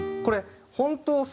これ本当